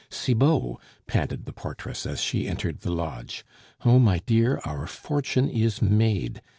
"Cibot!" panted the portress as she entered the lodge. "Oh, my dear, our fortune is made.